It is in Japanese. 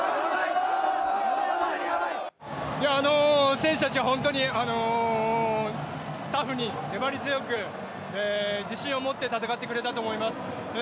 選手たちは本当にタフに粘り強く自信を持って戦ってくれたと思います。